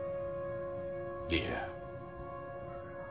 いや。